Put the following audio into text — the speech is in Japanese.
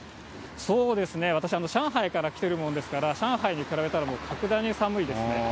そうですね、私、上海から来てるもんですから、上海に比べたら、もう格段に寒いですね。